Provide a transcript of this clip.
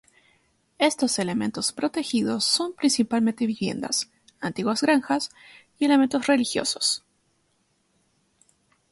Estos elementos protegidos son principalmente viviendas, antiguas granjas y elementos religiosos.